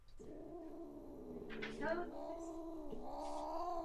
V zimě trpí nedostatkem vody.